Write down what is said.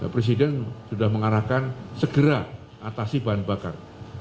presiden sudah mengarahkan segera atasi bahan bakar